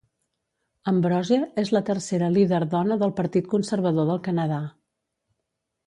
Ambrose és la tercera líder dona del partit conservador del Canadà.